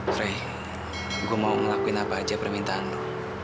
frey gue mau ngelakuin apa aja permintaan lo